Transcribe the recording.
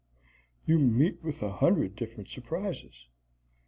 You meet with a hundred different surprises.